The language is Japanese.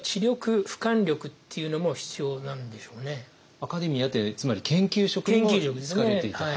アカデミアってつまり研究職にも就かれていたから。